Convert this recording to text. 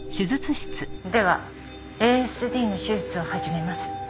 ではＡＳＤの手術を始めます。